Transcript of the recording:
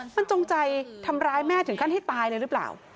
มันจงใจทำร้ายแม่ถึงขั้นให้ตายเลยหรือเปล่า